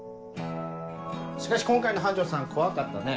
しかし今回の班長さん怖かったね。